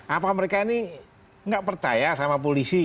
apa mereka ini nggak percaya sama polisi